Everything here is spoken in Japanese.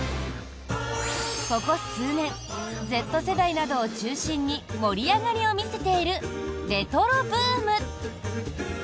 ここ数年Ｚ世代などを中心に盛り上がりを見せているレトロブーム。